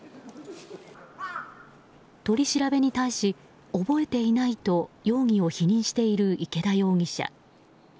取り調べに対し、覚えていないと容疑を否認している池田容疑者。